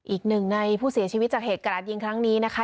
อีกหนึ่งในผู้เสียชีวิตจากเหตุกระดาษยิงครั้งนี้นะคะ